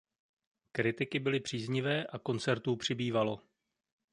Kritiky byly příznivé a koncertů přibývalo.